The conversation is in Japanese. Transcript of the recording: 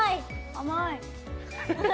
甘い！